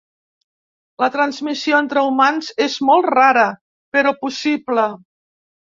La transmissió entre humans és molt rara però possible.